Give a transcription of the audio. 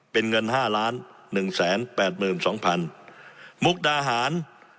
เป็นเงินห้าล้านหนึ่งแสนแปดหมื่นสองพันมุกดาหาร